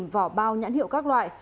hai vỏ bao nhãn hiệu các loại